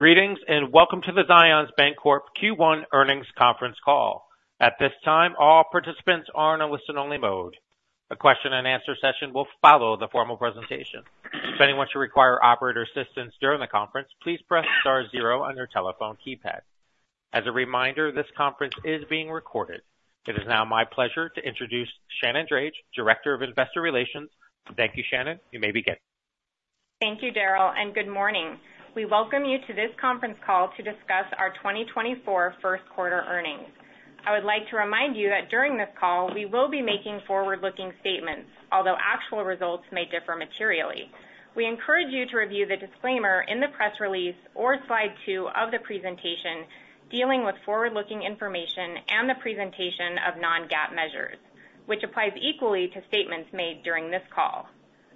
Greetings and welcome to the Zions Bancorp Q1 Earnings Conference call. At this time, all participants are in a listen-only mode. A question-and-answer session will follow the formal presentation. If anyone should require operator assistance during the conference, please press star zero on your telephone keypad. As a reminder, this conference is being recorded. It is now my pleasure to introduce Shannon Drage, Director of Investor Relations. Thank you, Shannon. You may begin. Thank you, Daryl, and good morning. We welcome you to this conference call to discuss our 2024 first quarter earnings. I would like to remind you that during this call we will be making forward-looking statements, although actual results may differ materially. We encourage you to review the disclaimer in the press release or slide two of the presentation dealing with forward-looking information and the presentation of non-GAAP measures, which applies equally to statements made during this call.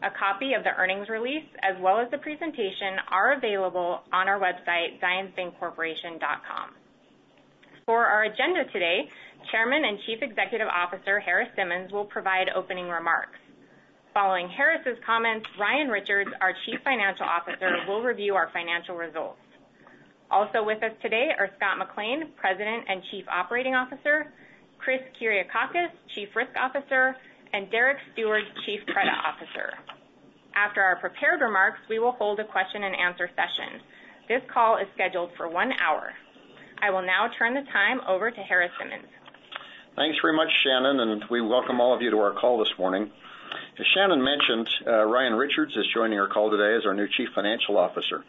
A copy of the earnings release as well as the presentation are available on our website, zionsbancorporation.com. For our agenda today, Chairman and Chief Executive Officer Harris Simmons will provide opening remarks. Following Harris's comments, Ryan Richards, our Chief Financial Officer, will review our financial results. Also with us today are Scott McLean, President and Chief Operating Officer; Michael Morris, Chief Risk Officer; and Derek Steward, Chief Credit Officer. After our prepared remarks, we will hold a question-and-answer session. This call is scheduled for one hour. I will now turn the time over to Harris Simmons. Thanks very much, Shannon, and we welcome all of you to our call this morning. As Shannon mentioned, Ryan Richards is joining our call today as our new Chief Financial Officer.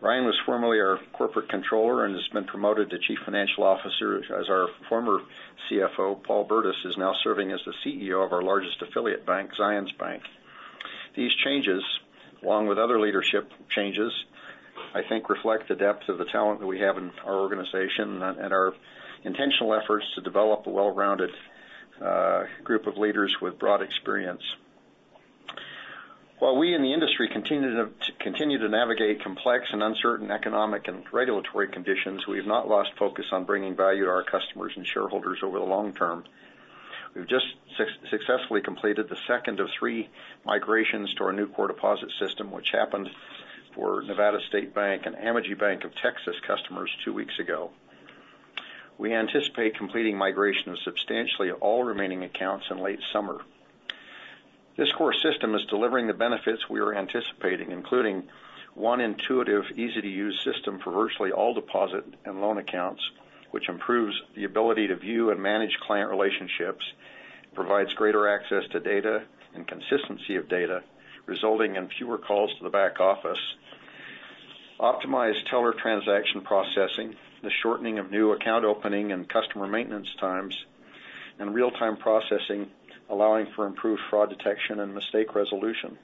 Ryan was formerly our corporate controller and has been promoted to Chief Financial Officer as our former CFO, Paul Burdiss, is now serving as the CEO of our largest affiliate bank, Zions Bank. These changes, along with other leadership changes, I think reflect the depth of the talent that we have in our organization and our intentional efforts to develop a well-rounded group of leaders with broad experience. While we in the industry continue to navigate complex and uncertain economic and regulatory conditions, we have not lost focus on bringing value to our customers and shareholders over the long term. We've just successfully completed the second of three migrations to our new core deposit system, which happened for Nevada State Bank and Amegy Bank customers two weeks ago. We anticipate completing migration of substantially all remaining accounts in late summer. This core system is delivering the benefits we are anticipating, including one intuitive, easy-to-use system for virtually all deposit and loan accounts, which improves the ability to view and manage client relationships, provides greater access to data and consistency of data, resulting in fewer calls to the back office, optimized teller transaction processing, the shortening of new account opening and customer maintenance times, and real-time processing, allowing for improved fraud detection and mistake resolution.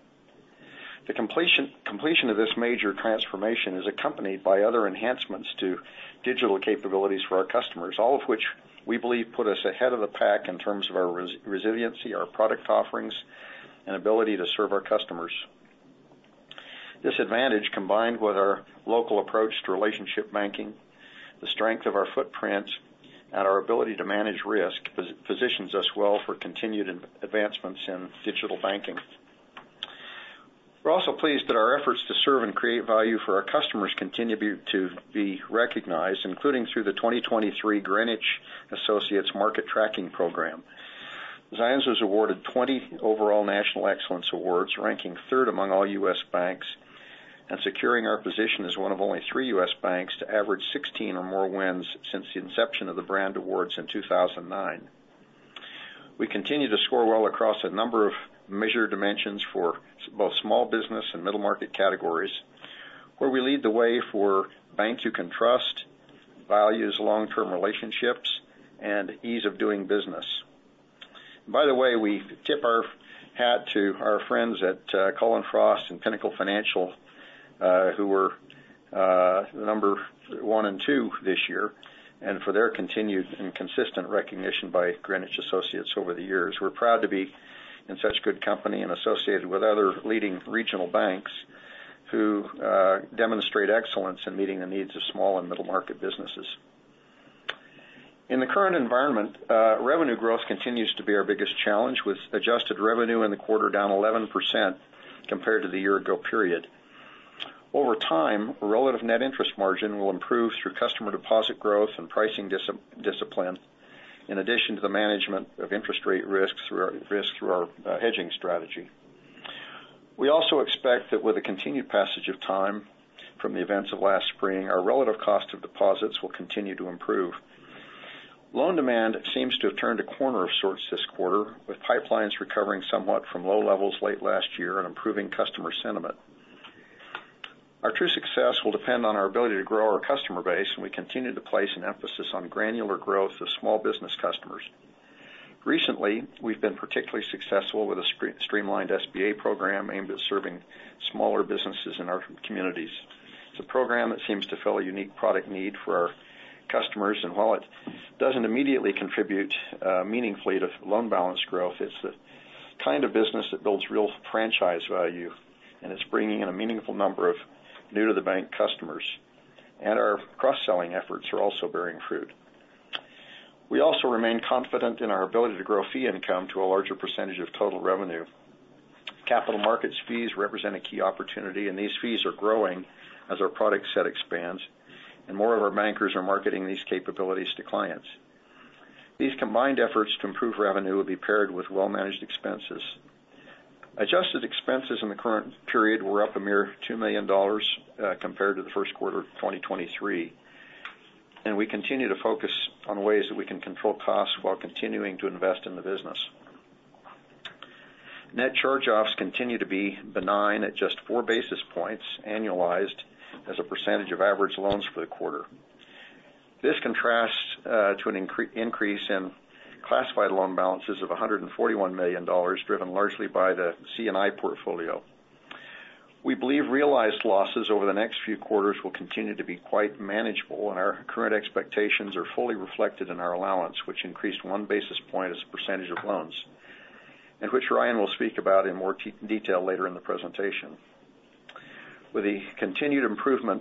The completion of this major transformation is accompanied by other enhancements to digital capabilities for our customers, all of which we believe put us ahead of the pack in terms of our resiliency, our product offerings, and ability to serve our customers. This advantage, combined with our local approach to relationship banking, the strength of our footprint, and our ability to manage risk, positions us well for continued advancements in digital banking. We're also pleased that our efforts to serve and create value for our customers continue to be recognized, including through the 2023 Greenwich Associates Market Tracking Program. Zions was awarded 20 overall national excellence awards, ranking third among all U.S. banks, and securing our position as one of only three U.S. banks to average 16 or more wins since the inception of the Greenwich Brand Awards in 2009. We continue to score well across a number of measured dimensions for both small business and middle market categories, where we lead the way for Bank You Can Trust, values long-term relationships, and ease of doing business. By the way, we tip our hat to our friends at Cullen/Frost and Pinnacle Financial Partners, who were number one and two this year, and for their continued and consistent recognition by Greenwich Associates over the years. We're proud to be in such good company and associated with other leading regional banks who demonstrate excellence in meeting the needs of small and middle market businesses. In the current environment, revenue growth continues to be our biggest challenge, with adjusted revenue in the quarter down 11% compared to the year-ago period. Over time, relative net interest margin will improve through customer deposit growth and pricing discipline, in addition to the management of interest rate risks through our hedging strategy. We also expect that with the continued passage of time from the events of last spring, our relative cost of deposits will continue to improve. Loan demand seems to have turned a corner of sorts this quarter, with pipelines recovering somewhat from low levels late last year and improving customer sentiment. Our true success will depend on our ability to grow our customer base, and we continue to place an emphasis on granular growth of small business customers. Recently, we've been particularly successful with a streamlined SBA program aimed at serving smaller businesses in our communities. It's a program that seems to fill a unique product need for our customers, and while it doesn't immediately contribute meaningfully to loan balance growth, it's the kind of business that builds real franchise value, and it's bringing in a meaningful number of new-to-the-bank customers, and our cross-selling efforts are also bearing fruit. We also remain confident in our ability to grow fee income to a larger percentage of total revenue. Capital markets fees represent a key opportunity, and these fees are growing as our product set expands, and more of our bankers are marketing these capabilities to clients. These combined efforts to improve revenue will be paired with well-managed expenses. Adjusted expenses in the current period were up a mere $2 million compared to the first quarter of 2023, and we continue to focus on ways that we can control costs while continuing to invest in the business. Net charge-offs continue to be benign at just 4 basis points annualized as a percentage of average loans for the quarter. This contrasts to an increase in classified loan balances of $141 million, driven largely by the C&I portfolio. We believe realized losses over the next few quarters will continue to be quite manageable, and our current expectations are fully reflected in our allowance, which increased 1 basis point as a percentage of loans, and which Ryan will speak about in more detail later in the presentation. With the continued improvement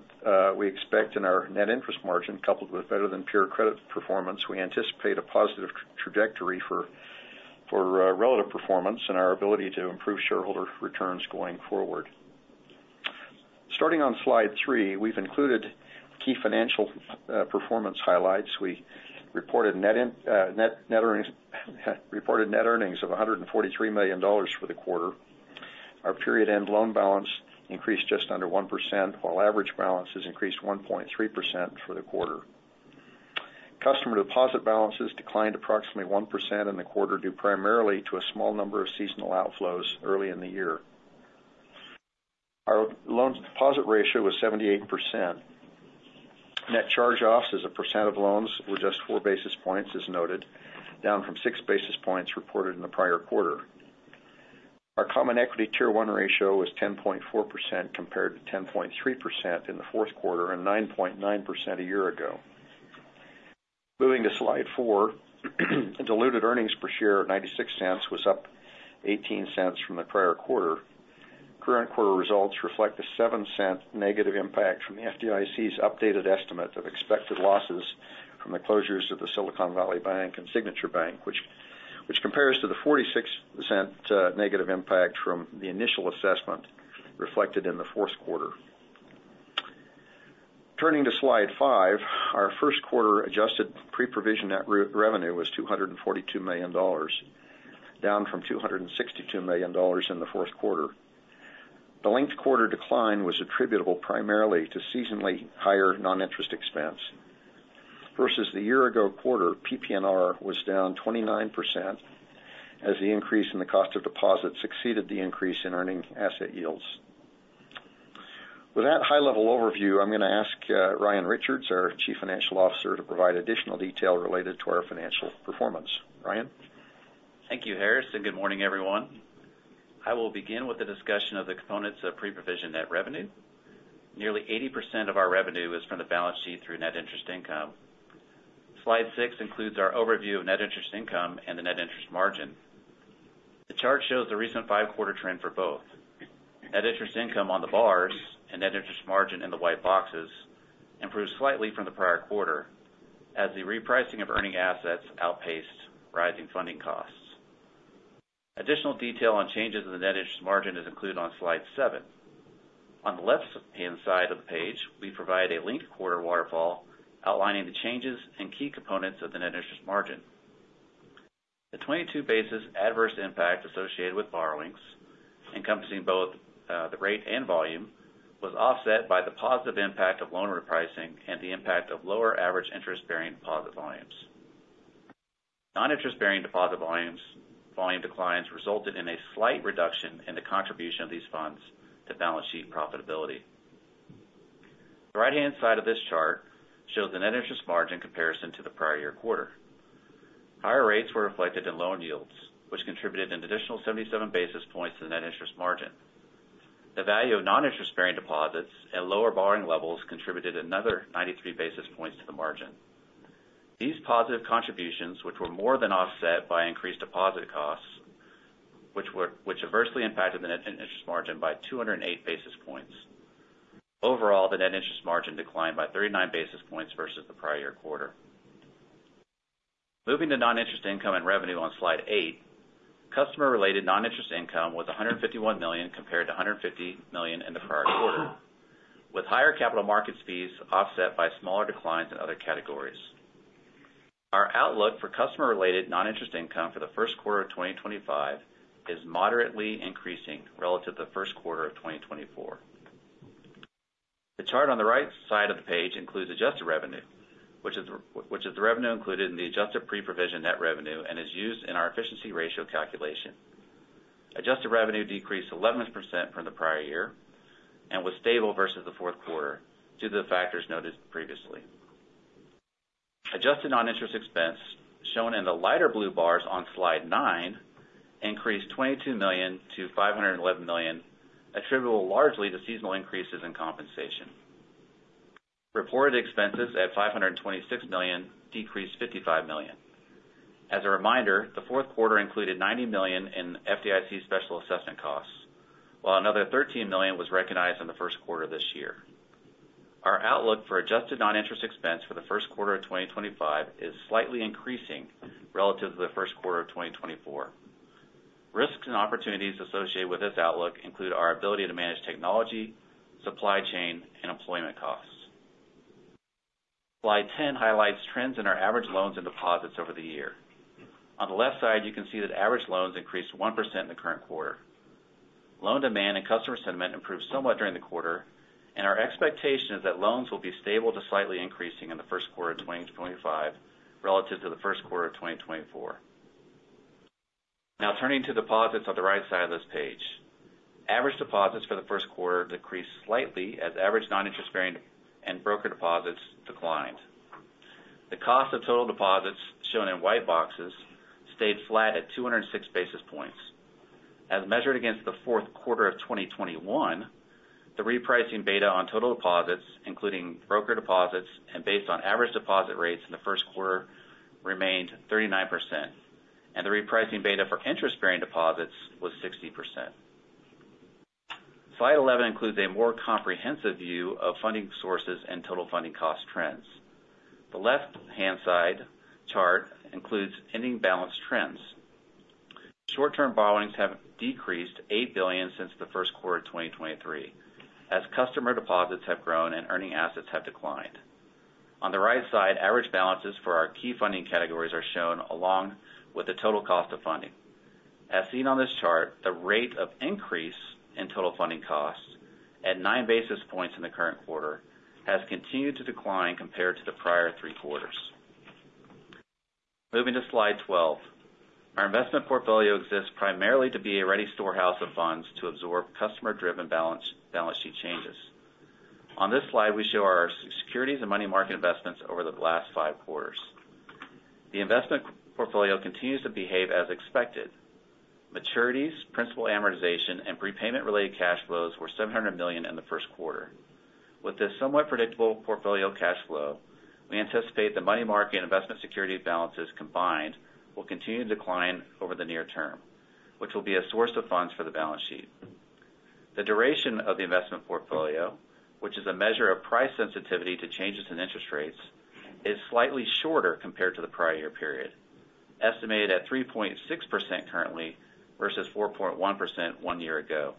we expect in our net interest margin, coupled with better-than-pure credit performance, we anticipate a positive trajectory for relative performance and our ability to improve shareholder returns going forward. Starting on slide 3, we've included key financial performance highlights. We reported net earnings of $143 million for the quarter. Our period-end loan balance increased just under 1%, while average balance has increased 1.3% for the quarter. Customer deposit balances declined approximately 1% in the quarter due primarily to a small number of seasonal outflows early in the year. Our loan deposit ratio was 78%. Net Charge-Offs as a percent of loans were just four basis points, as noted, down from six basis points reported in the prior quarter. Our Common Equity Tier 1 ratio was 10.4% compared to 10.3% in the fourth quarter and 9.9% a year ago. Moving to slide four, Diluted Earnings Per Share at 0.96 was up 0.18 from the prior quarter. Current quarter results reflect a 0.07 negative impact from the FDIC's updated estimate of expected losses from the closures of the Silicon Valley Bank and Signature Bank, which compares to the 0.46 negative impact from the initial assessment reflected in the fourth quarter. Turning to slide five, our first quarter adjusted pre-provision net revenue was $242 million, down from $262 million in the fourth quarter. The linked quarter decline was attributable primarily to seasonally higher non-interest expense. Versus the year-ago quarter, PPNR was down 29% as the increase in the cost of deposits exceeded the increase in earning asset yields. With that high-level overview, I'm going to ask Ryan Richards, our Chief Financial Officer, to provide additional detail related to our financial performance. Ryan? Thank you, Harris, and good morning, everyone. I will begin with the discussion of the components of pre-provision net revenue. Nearly 80% of our revenue is from the balance sheet through net interest income. Slide 6 includes our overview of net interest income and the net interest margin. The chart shows the recent five-quarter trend for both. Net interest income on the bars and net interest margin in the white boxes improved slightly from the prior quarter as the repricing of earning assets outpaced rising funding costs. Additional detail on changes in the net interest margin is included on Slide 7. On the left-hand side of the page, we provide a linked quarter waterfall outlining the changes and key components of the net interest margin. The 22 basis adverse impact associated with borrowings, encompassing both the rate and volume, was offset by the positive impact of loan repricing and the impact of lower average interest-bearing deposit volumes. Non-interest-bearing deposit volume declines resulted in a slight reduction in the contribution of these funds to balance sheet profitability. The right-hand side of this chart shows the net interest margin comparison to the prior year quarter. Higher rates were reflected in loan yields, which contributed an additional 77 basis points to the net interest margin. The value of non-interest-bearing deposits and lower borrowing levels contributed another 93 basis points to the margin. These positive contributions, which were more than offset by increased deposit costs, which adversely impacted the net interest margin by 208 basis points. Overall, the net interest margin declined by 39 basis points versus the prior year quarter. Moving to non-interest income and revenue on slide 8, customer-related non-interest income was $151 million compared to $150 million in the prior quarter, with higher capital markets fees offset by smaller declines in other categories. Our outlook for customer-related non-interest income for the first quarter of 2025 is moderately increasing relative to the first quarter of 2024. The chart on the right side of the page includes adjusted revenue, which is the revenue included in the adjusted pre-provision net revenue and is used in our efficiency ratio calculation. Adjusted revenue decreased 11% from the prior year and was stable versus the fourth quarter due to the factors noted previously. Adjusted non-interest expense, shown in the lighter blue bars on slide 9, increased $22 million to $511 million, attributable largely to seasonal increases in compensation. Reported expenses at $526 million decreased $55 million. As a reminder, the fourth quarter included $90 million in FDIC special assessment costs, while another $13 million was recognized in the first quarter this year. Our outlook for adjusted non-interest expense for the first quarter of 2025 is slightly increasing relative to the first quarter of 2024. Risks and opportunities associated with this outlook include our ability to manage technology, supply chain, and employment costs. Slide 10 highlights trends in our average loans and deposits over the year. On the left side, you can see that average loans increased 1% in the current quarter. Loan demand and customer sentiment improved somewhat during the quarter, and our expectation is that loans will be stable to slightly increasing in the first quarter of 2025 relative to the first quarter of 2024. Now, turning to deposits on the right side of this page, average deposits for the first quarter decreased slightly as average non-interest-bearing and broker deposits declined. The cost of total deposits, shown in white boxes, stayed flat at 206 basis points. As measured against the fourth quarter of 2021, the repricing beta on total deposits, including broker deposits and based on average deposit rates in the first quarter, remained 39%, and the repricing beta for interest-bearing deposits was 60%. Slide 11 includes a more comprehensive view of funding sources and total funding cost trends. The left-hand side chart includes ending balance trends. Short-term borrowings have decreased $8 billion since the first quarter of 2023 as customer deposits have grown and earning assets have declined. On the right side, average balances for our key funding categories are shown along with the total cost of funding. As seen on this chart, the rate of increase in total funding costs at 9 basis points in the current quarter has continued to decline compared to the prior three quarters. Moving to slide 12, our investment portfolio exists primarily to be a ready storehouse of funds to absorb customer-driven balance sheet changes. On this slide, we show our securities and money market investments over the last five quarters. The investment portfolio continues to behave as expected. Maturities, principal amortization, and prepayment-related cash flows were $700 million in the first quarter. With this somewhat predictable portfolio cash flow, we anticipate the money market and investment security balances combined will continue to decline over the near term, which will be a source of funds for the balance sheet. The duration of the investment portfolio, which is a measure of price sensitivity to changes in interest rates, is slightly shorter compared to the prior year period, estimated at 3.6% currently versus 4.1% one year ago.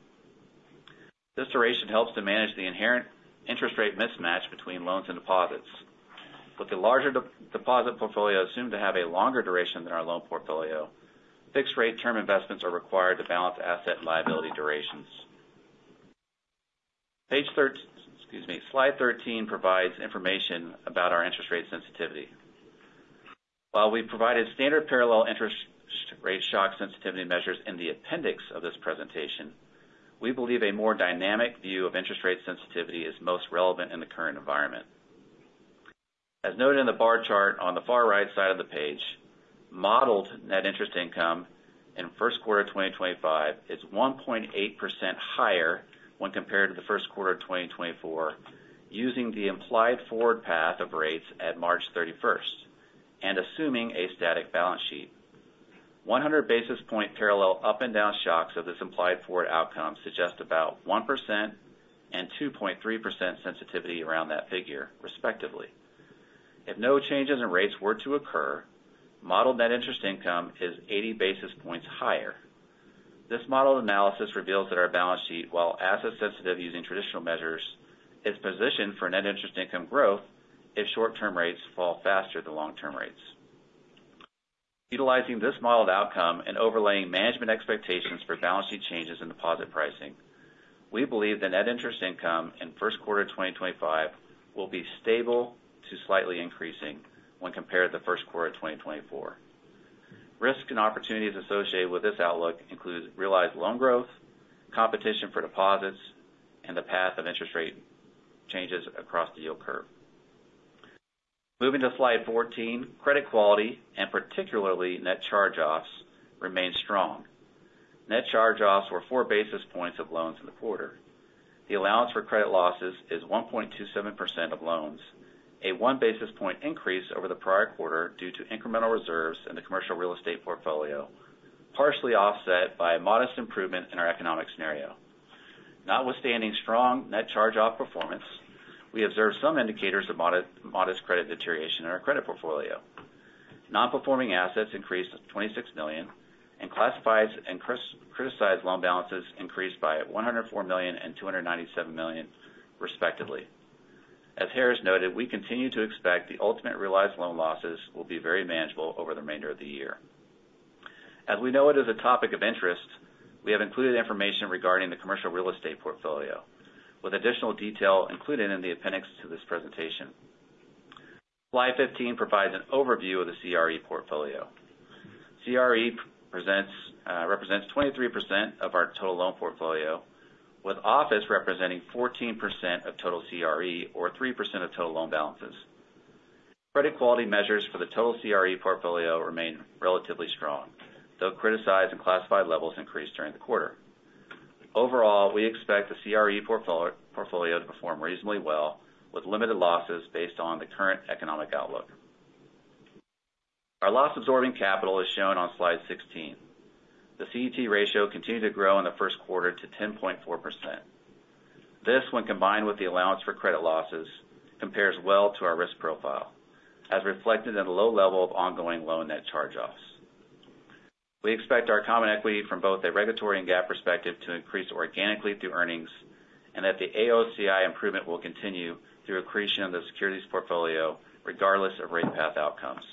This duration helps to manage the inherent interest rate mismatch between loans and deposits. With the larger deposit portfolio assumed to have a longer duration than our loan portfolio, fixed-rate term investments are required to balance asset liability durations. Slide 13 provides information about our interest rate sensitivity. While we've provided standard parallel interest rate shock sensitivity measures in the appendix of this presentation, we believe a more dynamic view of interest rate sensitivity is most relevant in the current environment. As noted in the bar chart on the far right side of the page, modeled net interest income in first quarter of 2025 is 1.8% higher when compared to the first quarter of 2024 using the implied forward path of rates at March 31st and assuming a static balance sheet. 100 basis points parallel up-and-down shocks of this implied forward outcome suggest about 1% and 2.3% sensitivity around that figure, respectively. If no changes in rates were to occur, modeled net interest income is 80 basis points higher. This modeled analysis reveals that our balance sheet, while asset sensitive using traditional measures, is positioned for net interest income growth if short-term rates fall faster than long-term rates. Utilizing this modeled outcome and overlaying management expectations for balance sheet changes in deposit pricing, we believe that net interest income in first quarter of 2025 will be stable to slightly increasing when compared to the first quarter of 2024. Risks and opportunities associated with this outlook include realized loan growth, competition for deposits, and the path of interest rate changes across the yield curve. Moving to slide 14, credit quality and particularly net charge-offs remain strong. Net charge-offs were four basis points of loans in the quarter. The allowance for credit losses is 1.27% of loans, a one basis point increase over the prior quarter due to incremental reserves in the commercial real estate portfolio, partially offset by a modest improvement in our economic scenario. Notwithstanding strong net charge-off performance, we observe some indicators of modest credit deterioration in our credit portfolio. Non-performing assets increased $26 million, and classified and criticized loan balances increased by $104 million and $297 million, respectively. As Harris noted, we continue to expect the ultimate realized loan losses will be very manageable over the remainder of the year. As we know it as a topic of interest, we have included information regarding the commercial real estate portfolio with additional detail included in the appendix to this presentation. Slide 15 provides an overview of the CRE portfolio. CRE represents 23% of our total loan portfolio, with office representing 14% of total CRE or 3% of total loan balances. Credit quality measures for the total CRE portfolio remain relatively strong, though criticized and classified levels increased during the quarter. Overall, we expect the CRE portfolio to perform reasonably well with limited losses based on the current economic outlook. Our loss-absorbing capital is shown on Slide 16. The CET ratio continued to grow in the first quarter to 10.4%. This, when combined with the allowance for credit losses, compares well to our risk profile as reflected in the low level of ongoing loan net charge-offs. We expect our common equity from both a regulatory and gap perspective to increase organically through earnings, and that the AOCI improvement will continue through accretion of the securities portfolio regardless of rate path outcomes.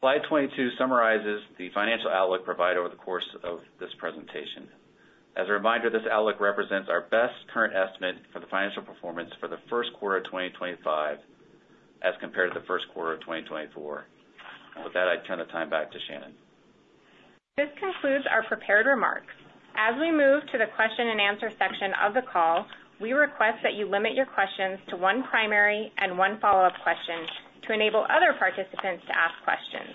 Slide 22 summarizes the financial outlook provided over the course of this presentation. As a reminder, this outlook represents our best current estimate for the financial performance for the first quarter of 2025 as compared to the first quarter of 2024. With that, I turn the time back to Shannon. This concludes our prepared remarks. As we move to the question and answer section of the call, we request that you limit your questions to one primary and one follow-up question to enable other participants to ask questions.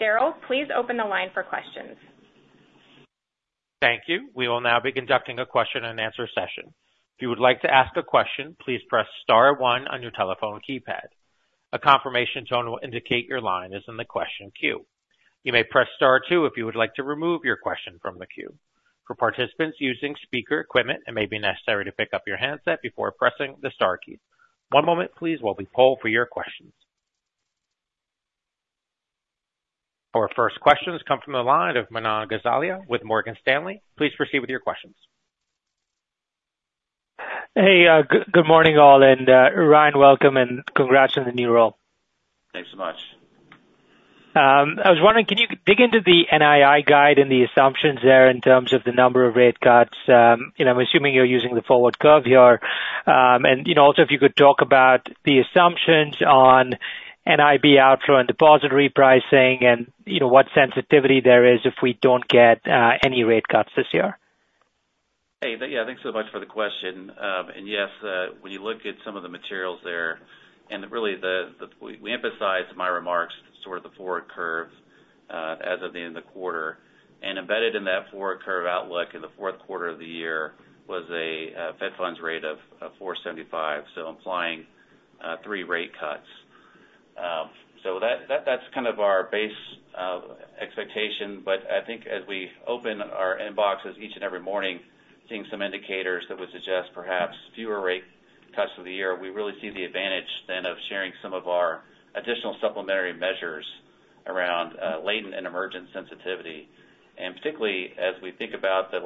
Daryl, please open the line for questions. Thank you. We will now be conducting a question and answer session. If you would like to ask a question, please press star one on your telephone keypad. A confirmation tone will indicate your line is in the question queue. You may press star two if you would like to remove your question from the queue. For participants using speaker equipment, it may be necessary to pick up your handset before pressing the star key. One moment, please, while we poll for your questions. Our first questions come from the line of Manan Gosalia with Morgan Stanley. Please proceed with your questions. Hey, good morning, all. Ryan, welcome and congrats on the new role. Thanks so much. I was wondering, can you dig into the NII guide and the assumptions there in terms of the number of rate cuts? I'm assuming you're using the forward curve here. And also, if you could talk about the assumptions on NIB outflow and deposit repricing and what sensitivity there is if we don't get any rate cuts this year. Hey, yeah, thanks so much for the question. And yes, when you look at some of the materials there and really, we emphasized in my remarks sort of the forward curve as of the end of the quarter. And embedded in that forward curve outlook in the fourth quarter of the year was a Fed funds rate of 475, so implying three rate cuts. So that's kind of our base expectation. But I think as we open our inboxes each and every morning, seeing some indicators that would suggest perhaps fewer rate cuts for the year, we really see the advantage then of sharing some of our additional supplementary measures around latent and emergent sensitivity. Particularly as we think about the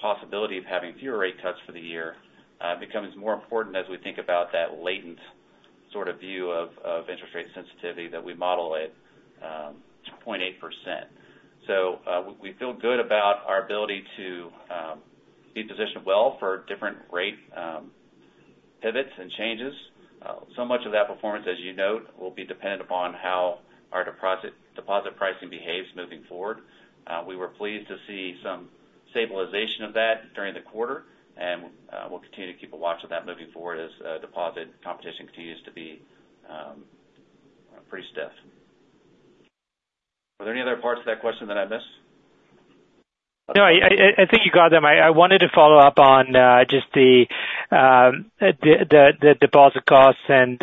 possibility of having fewer rate cuts for the year, it becomes more important as we think about that latent sort of view of interest rate sensitivity that we model at 0.8%. We feel good about our ability to be positioned well for different rate pivots and changes. Much of that performance, as you note, will be dependent upon how our deposit pricing behaves moving forward. We were pleased to see some stabilization of that during the quarter, and we'll continue to keep a watch on that moving forward as deposit competition continues to be pretty stiff. Were there any other parts of that question that I missed? No, I think you got them. I wanted to follow up on just the deposit costs and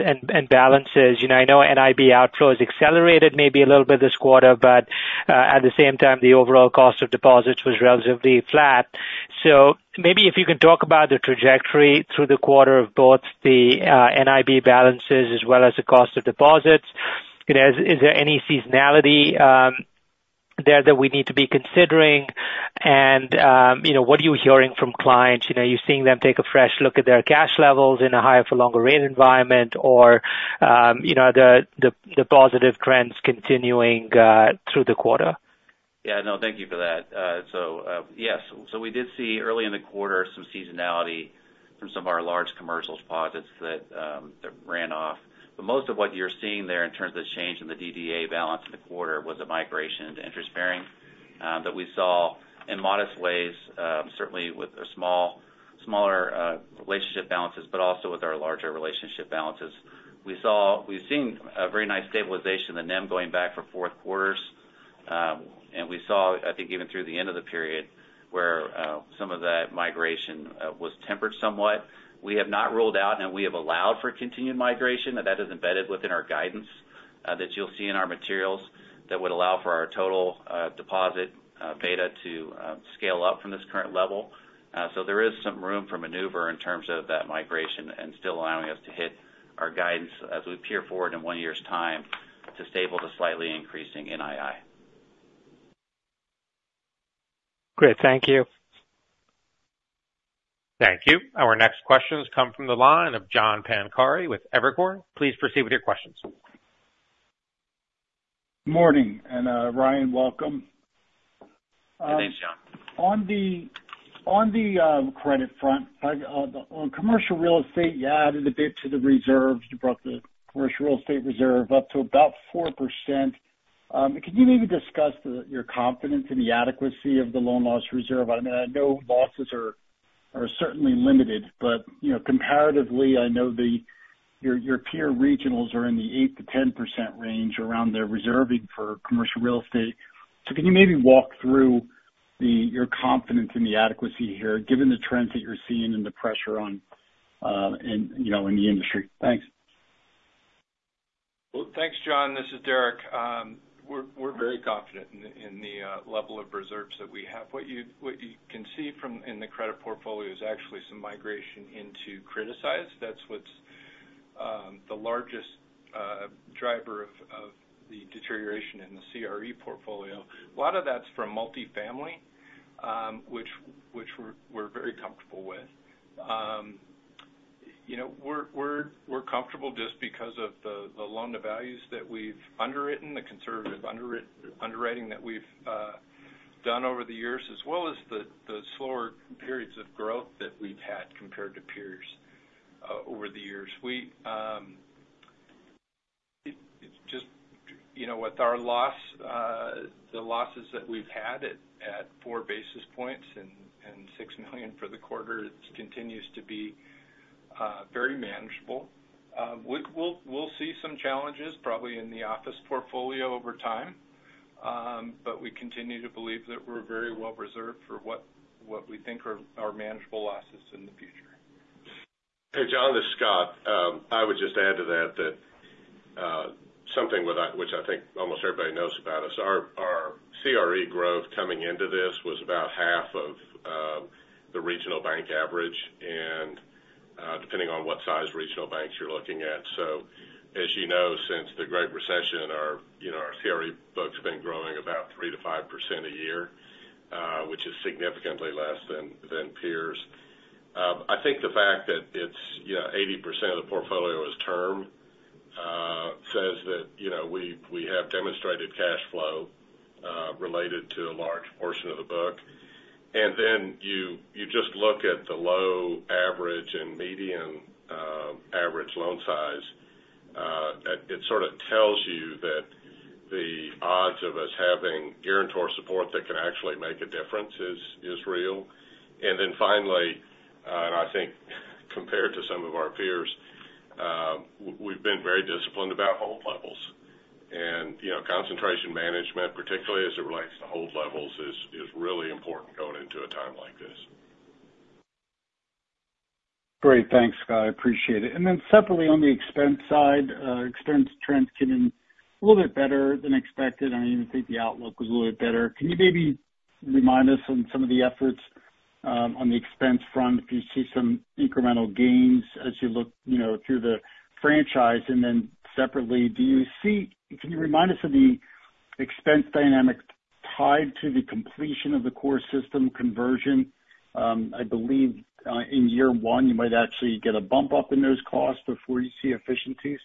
balances. I know NIB outflow has accelerated maybe a little bit this quarter, but at the same time, the overall cost of deposits was relatively flat. So maybe if you can talk about the trajectory through the quarter of both the NIB balances as well as the cost of deposits, is there any seasonality there that we need to be considering? And what are you hearing from clients? Are you seeing them take a fresh look at their cash levels in a higher-for-longer rate environment, or are the positive trends continuing through the quarter? Yeah, no, thank you for that. So yes, so we did see early in the quarter some seasonality from some of our large commercial deposits that ran off. But most of what you're seeing there in terms of the change in the DDA balance in the quarter was a migration to interest-bearing that we saw in modest ways, certainly with smaller relationship balances, but also with our larger relationship balances. We've seen a very nice stabilization in the NIM going back four quarters. And we saw, I think, even through the end of the period where some of that migration was tempered somewhat. We have not ruled out, and we have allowed for continued migration. That is embedded within our guidance that you'll see in our materials that would allow for our total deposit beta to scale up from this current level. There is some room for maneuver in terms of that migration and still allowing us to hit our guidance as we peer forward in 1 year's time to stable the slightly increasing NII. Great. Thank you. Thank you. Our next questions come from the line of John Pancari with Evercore. Please proceed with your questions. Good morning. Ryan, welcome. Hey, thanks, John. On the credit front, on commercial real estate, yeah, added a bit to the reserves. You brought the commercial real estate reserve up to about 4%. Can you maybe discuss your confidence in the adequacy of the loan loss reserve? I mean, I know losses are certainly limited, but comparatively, I know your peer regionals are in the 8%-10% range around their reserving for commercial real estate. So can you maybe walk through your confidence in the adequacy here given the trends that you're seeing and the pressure in the industry? Thanks. Well, thanks, John. This is Derek. We're very confident in the level of reserves that we have. What you can see in the credit portfolio is actually some migration into criticized. That's what's the largest driver of the deterioration in the CRE portfolio. A lot of that's from multifamily, which we're very comfortable with. We're comfortable just because of the loan to values that we've underwritten, the conservative underwriting that we've done over the years, as well as the slower periods of growth that we've had compared to peers over the years. With the losses that we've had at 4 basis points and $6 million for the quarter, it continues to be very manageable. We'll see some challenges, probably in the office portfolio over time, but we continue to believe that we're very well reserved for what we think are manageable losses in the future. Hey, John, this is Scott. I would just add to that that something which I think almost everybody knows about us, our CRE growth coming into this was about half of the regional bank average, depending on what size regional banks you're looking at. So as you know, since the Great Recession, our CRE book's been growing about 3%-5% a year, which is significantly less than peers. I think the fact that it's 80% of the portfolio is term says that we have demonstrated cash flow related to a large portion of the book. And then you just look at the low average and median average loan size, it sort of tells you that the odds of us having guarantor support that can actually make a difference is real. And then finally, and I think compared to some of our peers, we've been very disciplined about hold levels. Concentration management, particularly as it relates to hold levels, is really important going into a time like this. Great. Thanks, Scott. I appreciate it. And then separately, on the expense side, expense trends came in a little bit better than expected. I even think the outlook was a little bit better. Can you maybe remind us on some of the efforts on the expense front if you see some incremental gains as you look through the franchise? And then separately, can you remind us of the expense dynamic tied to the completion of the core system conversion? I believe in year one, you might actually get a bump up in those costs before you see efficiencies.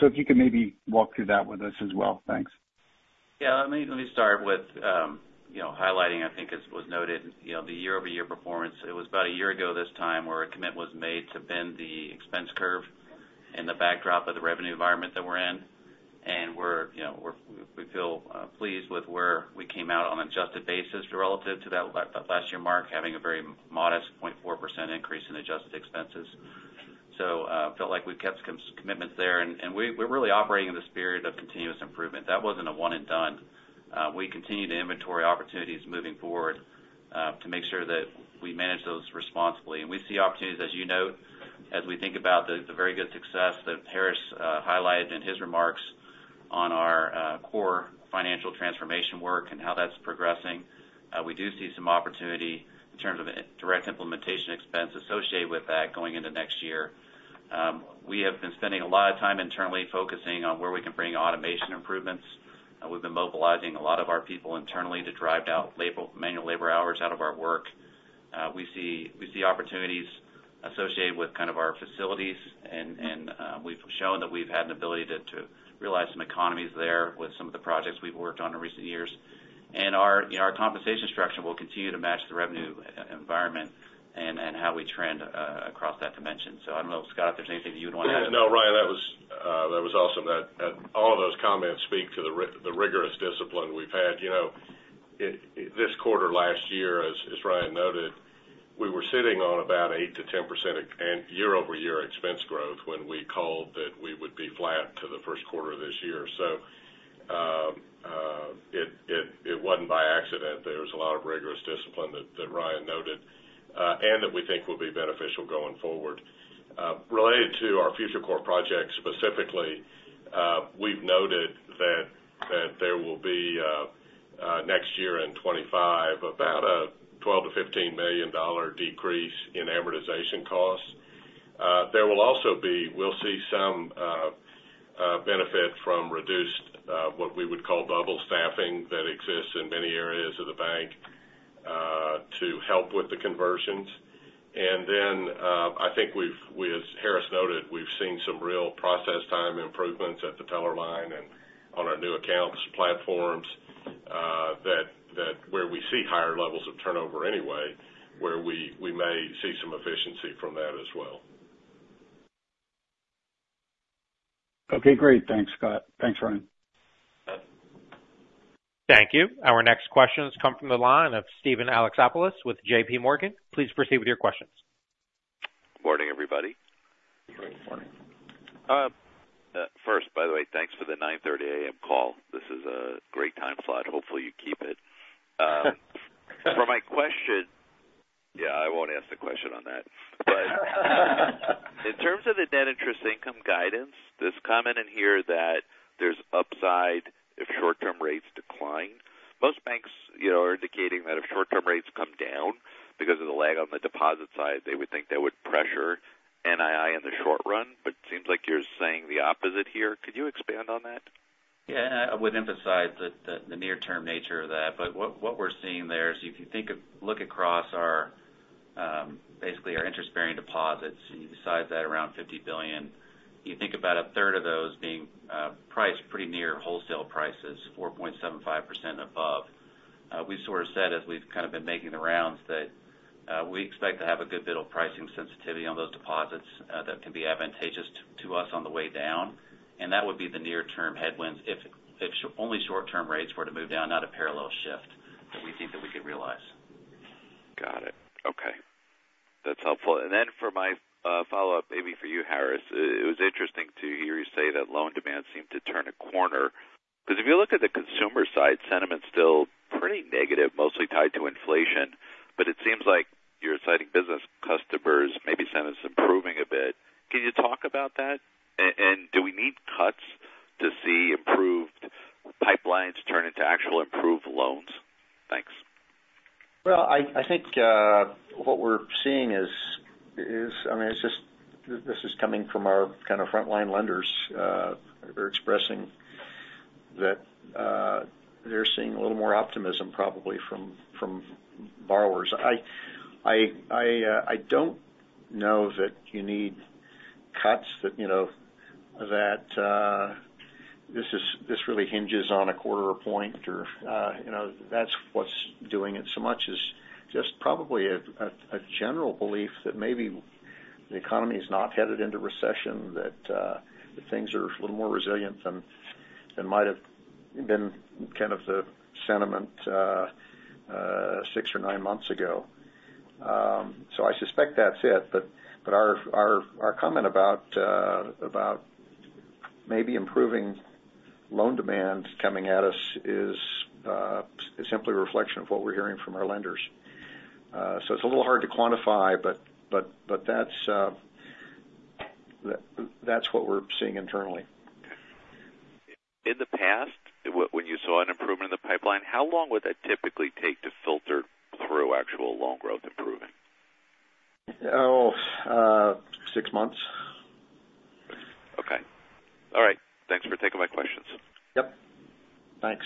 So if you could maybe walk through that with us as well. Thanks. Yeah, let me start with highlighting, I think, as was noted, the year-over-year performance. It was about a year ago this time where a commitment was made to bend the expense curve in the backdrop of the revenue environment that we're in. And we feel pleased with where we came out on an adjusted basis relative to that last year mark, having a very modest 0.4% increase in adjusted expenses. So I felt like we kept some commitments there. And we're really operating in the spirit of continuous improvement. That wasn't a one-and-done. We continue to inventory opportunities moving forward to make sure that we manage those responsibly. And we see opportunities, as you note, as we think about the very good success that Harris highlighted in his remarks on our core financial transformation work and how that's progressing. We do see some opportunity in terms of direct implementation expense associated with that going into next year. We have been spending a lot of time internally focusing on where we can bring automation improvements. We've been mobilizing a lot of our people internally to drive out manual labor hours out of our work. We see opportunities associated with kind of our facilities. We've shown that we've had an ability to realize some economies there with some of the projects we've worked on in recent years. Our compensation structure will continue to match the revenue environment and how we trend across that dimension. So I don't know, Scott, if there's anything that you would want to add? No, Ryan, that was awesome. All of those comments speak to the rigorous discipline we've had. This quarter last year, as Ryan noted, we were sitting on about 8%-10% year-over-year expense growth when we called that we would be flat to the first quarter of this year. So it wasn't by accident. There was a lot of rigorous discipline that Ryan noted and that we think will be beneficial going forward. Related to our future core projects, specifically, we've noted that there will be next year in 2025 about a $12 million-$15 million decrease in amortization costs. There will also be, we'll see some benefit from reduced what we would call bubble staffing that exists in many areas of the bank to help with the conversions. And then I think, as Harris noted, we've seen some real process time improvements at the teller line and on our new accounts platforms where we see higher levels of turnover anyway, where we may see some efficiency from that as well. Okay, great. Thanks, Scott. Thanks, Ryan. Thank you. Our next questions come from the line of Steven Alexopoulos with J.P. Morgan. Please proceed with your questions. Morning, everybody. First, by the way, thanks for the 9:30 A.M. call. This is a great time slot. Hopefully, you keep it. For my question, yeah, I won't ask the question on that. But in terms of the net interest income guidance, there's comment in here that there's upside if short-term rates decline. Most banks are indicating that if short-term rates come down because of the lag on the deposit side, they would think that would pressure NII in the short run. But it seems like you're saying the opposite here. Could you expand on that? Yeah, and I would emphasize the near-term nature of that. But what we're seeing there is if you look across basically our interest bearing deposits, you decide that around $50 billion, you think about a third of those being priced pretty near wholesale prices, 4.75% above. We've sort of said, as we've kind of been making the rounds, that we expect to have a good bit of pricing sensitivity on those deposits that can be advantageous to us on the way down. And that would be the near-term headwinds if only short-term rates were to move down, not a parallel shift that we think that we could realize. Got it. Okay. That's helpful. And then for my follow-up, maybe for you, Harris, it was interesting to hear you say that loan demand seemed to turn a corner. Because if you look at the consumer side, sentiment's still pretty negative, mostly tied to inflation. But it seems like you're citing business customers, maybe sentiment's improving a bit. Can you talk about that? And do we need cuts to see improved pipelines turn into actual improved loans? Thanks. Well, I think what we're seeing is, I mean, this is coming from our kind of frontline lenders. They're expressing that they're seeing a little more optimism, probably, from borrowers. I don't know that you need cuts that this really hinges on a quarter or point, or that's what's doing it so much is just probably a general belief that maybe the economy is not headed into recession, that things are a little more resilient than might have been kind of the sentiment six or nine months ago. So I suspect that's it. But our comment about maybe improving loan demand coming at us is simply a reflection of what we're hearing from our lenders. So it's a little hard to quantify, but that's what we're seeing internally. In the past, when you saw an improvement in the pipeline, how long would that typically take to filter through actual loan growth improving? Oh, six months. Okay. All right. Thanks for taking my questions. Yep. Thanks.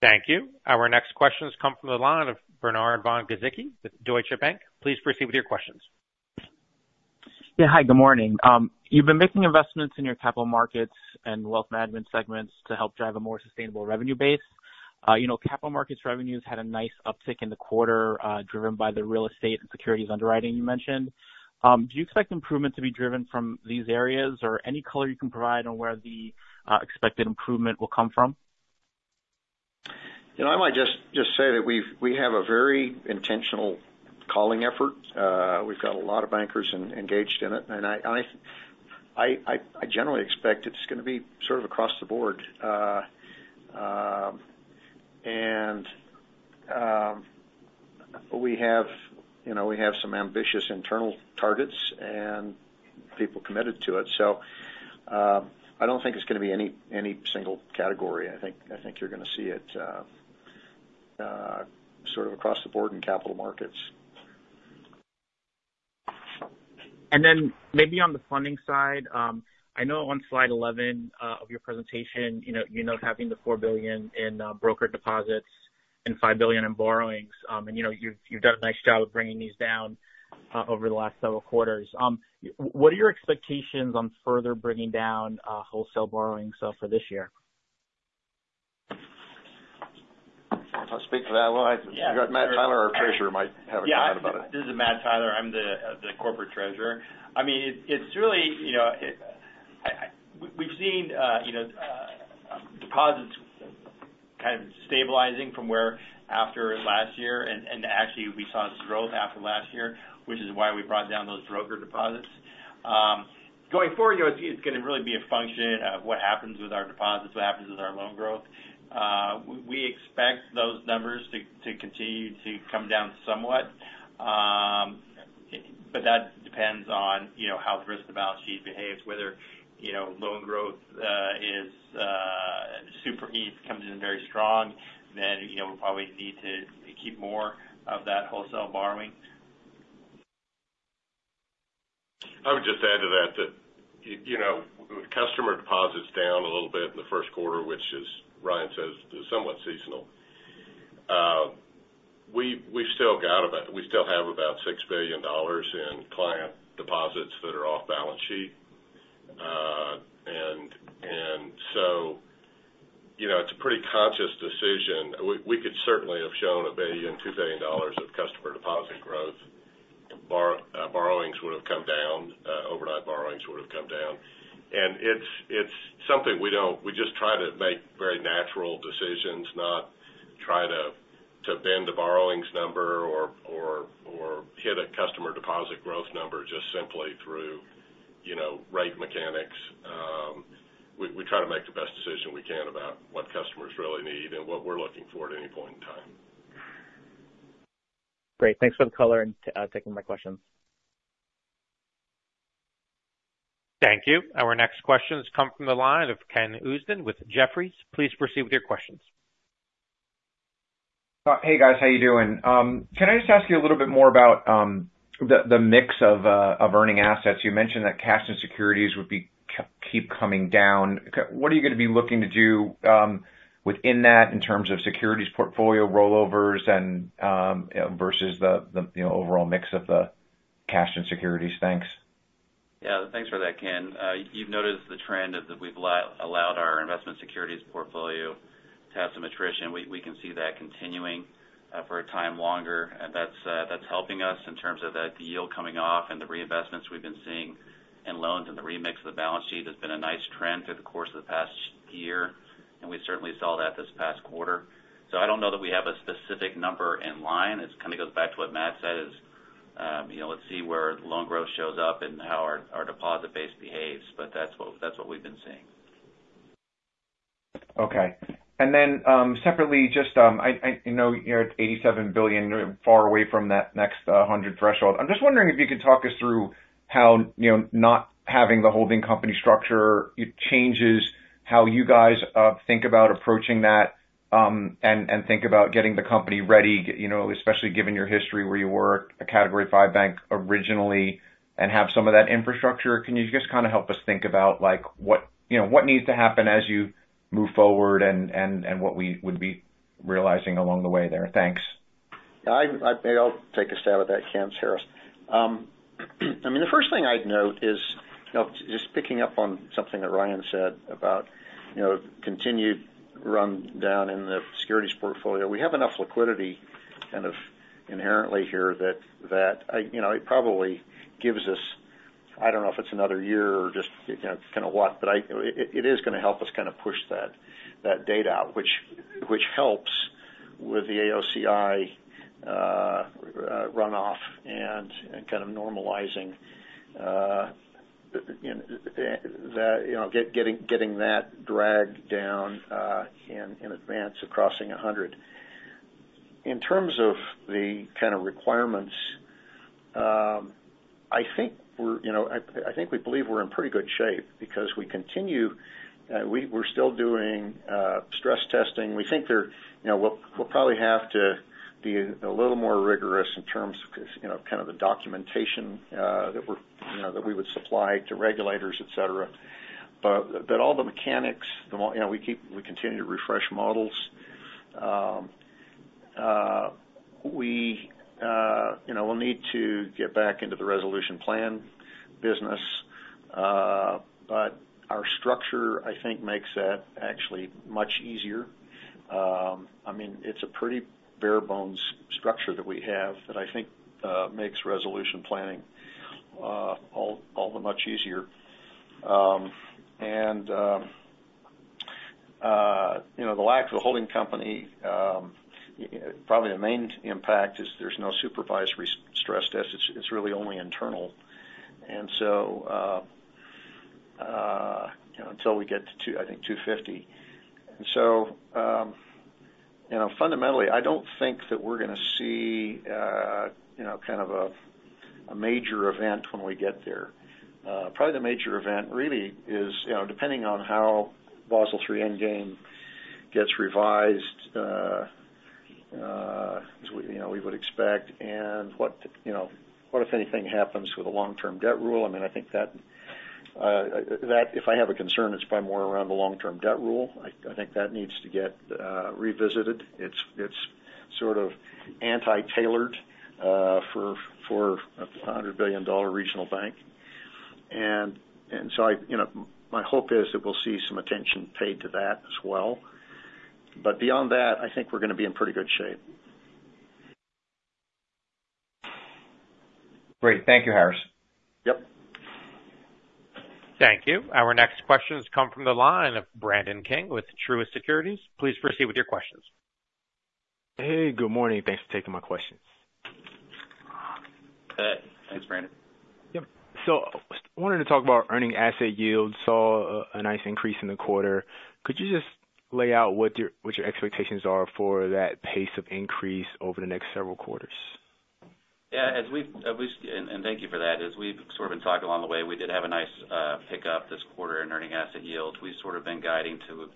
Thank you. Our next questions come from the line of Bernard von Gizycki with Deutsche Bank. Please proceed with your questions. Yeah, hi. Good morning. You've been making investments in your capital markets and wealth management segments to help drive a more sustainable revenue base. Capital markets revenues had a nice uptick in the quarter driven by the real estate and securities underwriting you mentioned. Do you expect improvement to be driven from these areas, or any color you can provide on where the expected improvement will come from? I might just say that we have a very intentional calling effort. We've got a lot of bankers engaged in it. I generally expect it's going to be sort of across the board. We have some ambitious internal targets and people committed to it. I don't think it's going to be any single category. I think you're going to see it sort of across the board in capital markets. And then maybe on the funding side, I know on slide 11 of your presentation, you note having the $4 billion in broker deposits and $5 billion in borrowings. And you've done a nice job of bringing these down over the last several quarters. What are your expectations on further bringing down wholesale borrowing stuff for this year? I'll speak for that. Well, Matt Tyler, our treasurer, might have a comment about it. Yeah. This is Matt Tyler. I'm the Corporate Treasurer. I mean, it's really, we've seen deposits kind of stabilizing from where after last year. And actually, we saw this growth after last year, which is why we brought down those broker deposits. Going forward, it's going to really be a function of what happens with our deposits, what happens with our loan growth. We expect those numbers to continue to come down somewhat. But that depends on how the risk to balance sheet behaves. Whether loan growth is super easy, comes in very strong, then we'll probably need to keep more of that wholesale borrowing. I would just add to that that customer deposits down a little bit in the first quarter, which, as Ryan says, is somewhat seasonal. We've still got about $6 billion in client deposits that are off balance sheet. So it's a pretty conscious decision. We could certainly have shown $1 billion-$2 billion of customer deposit growth. Borrowings would have come down. Overnight borrowings would have come down. And it's something we just try to make very natural decisions, not try to bend a borrowings number or hit a customer deposit growth number just simply through rate mechanics. We try to make the best decision we can about what customers really need and what we're looking for at any point in time. Great. Thanks for the color and taking my questions. Thank you. Our next questions come from the line of Ken Usdin with Jefferies. Please proceed with your questions. Hey, guys. How are you doing? Can I just ask you a little bit more about the mix of earning assets? You mentioned that cash and securities would keep coming down. What are you going to be looking to do within that in terms of securities portfolio rollovers versus the overall mix of the cash and securities? Thanks. Yeah. Thanks for that, Ken. You've noticed the trend of that we've allowed our investment securities portfolio to have some attrition. We can see that continuing for a time longer. And that's helping us in terms of the yield coming off and the reinvestments we've been seeing in loans and the remix of the balance sheet has been a nice trend through the course of the past year. And we certainly saw that this past quarter. So I don't know that we have a specific number in line. It kind of goes back to what Matt said is, "Let's see where loan growth shows up and how our deposit base behaves." But that's what we've been seeing. Okay. And then separately, just I know you're at $87 billion, far away from that next $100 billion threshold. I'm just wondering if you could talk us through how not having the holding company structure changes how you guys think about approaching that and think about getting the company ready, especially given your history where you were a Category V bank originally and have some of that infrastructure. Can you just kind of help us think about what needs to happen as you move forward and what we would be realizing along the way there? Thanks. I'll take a stab at that, Ken, Harris. I mean, the first thing I'd note is just picking up on something that Ryan said about continued run down in the securities portfolio. We have enough liquidity kind of inherently here that it probably gives us. I don't know if it's another year or just kind of what. But it is going to help us kind of push that data out, which helps with the AOCI runoff and kind of normalizing getting that drag down in advance of crossing 100. In terms of the kind of requirements, I think we believe we're in pretty good shape because we're still doing stress testing. We think we'll probably have to be a little more rigorous in terms of kind of the documentation that we would supply to regulators, etc. But all the mechanics, we continue to refresh models. We'll need to get back into the resolution plan business. But our structure, I think, makes that actually much easier. I mean, it's a pretty bare-bones structure that we have that I think makes resolution planning all that much easier. And the lack of a holding company, probably the main impact is there's no supervised stress test. It's really only internal. And so until we get to, I think, 250. And so fundamentally, I don't think that we're going to see kind of a major event when we get there. Probably the major event really is depending on how Basel III Endgame gets revised as we would expect and what, if anything, happens with the long-term debt rule. I mean, I think that if I have a concern, it's probably more around the long-term debt rule. I think that needs to get revisited. It's sort of anti-tailored for a $100 billion regional bank. And so my hope is that we'll see some attention paid to that as well. But beyond that, I think we're going to be in pretty good shape. Great. Thank you, Harris. Yep. Thank you. Our next questions come from the line of Brandon King with Truist Securities. Please proceed with your questions. Hey. Good morning. Thanks for taking my questions. Hey. Thanks, Brandon. Yep. So wanted to talk about earning asset yield. Saw a nice increase in the quarter. Could you just lay out what your expectations are for that pace of increase over the next several quarters? Yeah. And thank you for that. As we've sort of been talking along the way, we did have a nice pickup this quarter in earning asset yield. We've sort of been guiding to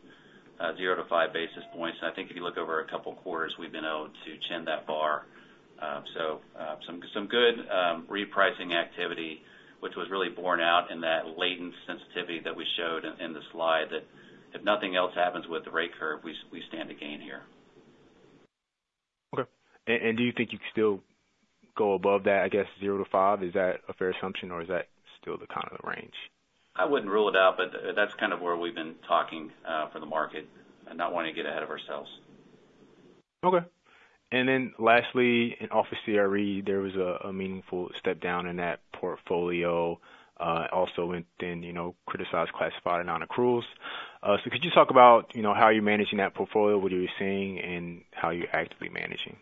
0-5 basis points. And I think if you look over a couple of quarters, we've been able to chin that bar. So some good repricing activity, which was really borne out in that latent sensitivity that we showed in the slide that if nothing else happens with the rate curve, we stand to gain here. Okay. And do you think you could still go above that, I guess, 0-5? Is that a fair assumption, or is that still kind of the range? I wouldn't rule it out. But that's kind of where we've been talking for the market and not wanting to get ahead of ourselves. Okay. And then lastly, in Office CRE, there was a meaningful step down in that portfolio, also within criticized, classified, and non-accruals. So could you talk about how you're managing that portfolio, what you're seeing, and how you're actively managing?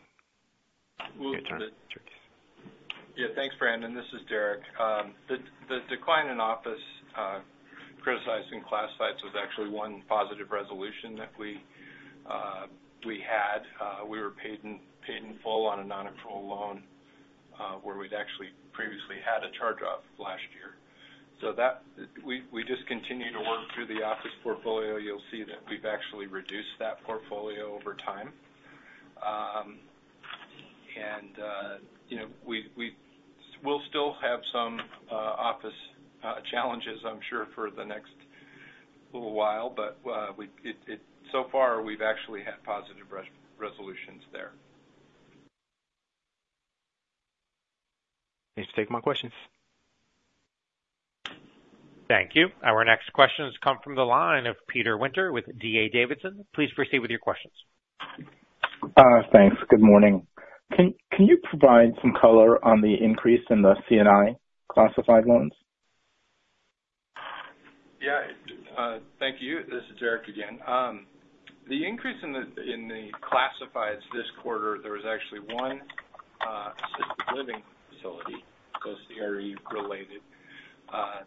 Your turn. Tricky. Yeah. Thanks, Brandon. This is Derek. The decline in office criticized and classified loans was actually one positive resolution that we had. We were paid in full on a non-accrual loan where we'd actually previously had a charge-off last year. We just continue to work through the office portfolio. You'll see that we've actually reduced that portfolio over time. We'll still have some office challenges, I'm sure, for the next little while. So far, we've actually had positive resolutions there. Thanks for taking my questions. Thank you. Our next questions come from the line of Peter Winter with D.A. Davidson. Please proceed with your questions. Thanks. Good morning. Can you provide some color on the increase in the C&I classified loans? Yeah. Thank you. This is Derek again. The increase in the classifieds this quarter, there was actually one assisted living facility, so CRE-related,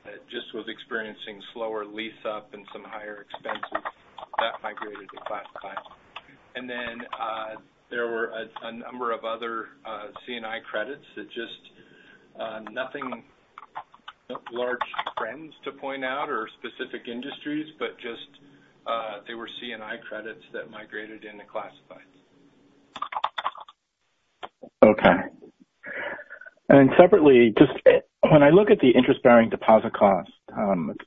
that just was experiencing slower lease-up and some higher expenses. That migrated to classified. And then there were a number of other C&I credits that just nothing large trends to point out or specific industries, but just they were C&I credits that migrated into classifieds. Okay. And separately, just when I look at the interest-bearing deposit cost,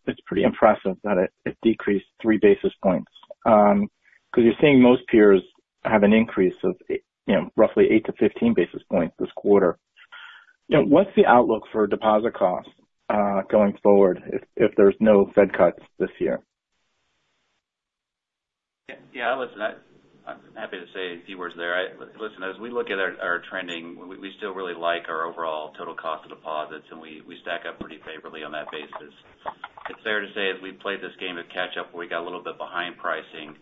it's pretty impressive that it decreased 3 basis points because you're seeing most peers have an increase of roughly 8-15 basis points this quarter. What's the outlook for deposit costs going forward if there's no Fed cuts this year? Yeah. Listen, I'm happy to say a few words there. Listen, as we look at our trending, we still really like our overall total cost of deposits. And we stack up pretty favorably on that basis. It's fair to say as we played this game of catch-up where we got a little bit behind pricing,